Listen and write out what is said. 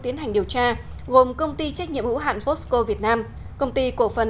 tiến hành điều tra gồm công ty trách nhiệm hữu hạn fosco việt nam công ty cổ phần